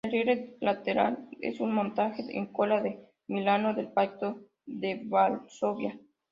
El riel lateral es un montaje en cola de milano del Pacto de Varsovia.